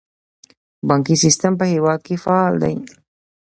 بانکي سیستم په هیواد کې فعال دی